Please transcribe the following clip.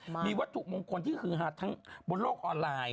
มีวัตถุมงคลที่ฮือฮาทั้งบนโลกออนไลน์